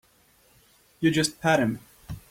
You just pat him.